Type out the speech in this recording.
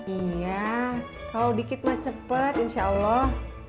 iya kalau dikit mah cepet insya allah